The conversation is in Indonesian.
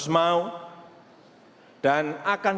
seseorang suatu masalah